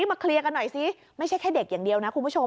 มาเคลียร์กันหน่อยสิไม่ใช่แค่เด็กอย่างเดียวนะคุณผู้ชม